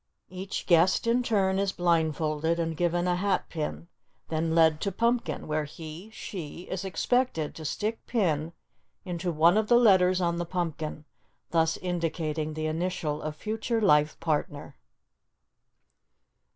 Each guest in turn is blindfolded and given a hat pin, then led to pumpkin, where he (she) is expected to stick pin into one of the letters on the pumpkin, thus indicating the initial of future life partner.